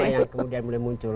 yang kemudian muncul